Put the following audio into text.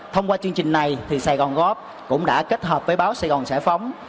thông qua chương trình này thì sài gòn góp cũng đã kết hợp với báo sài gòn sải phóng